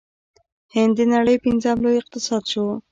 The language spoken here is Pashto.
هند د نړۍ پنځم لوی اقتصاد شو.